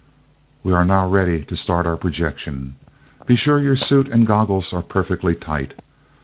"We are now ready to start our projection. Be sure your suit and goggles are perfectly tight.